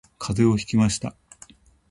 風邪をひきました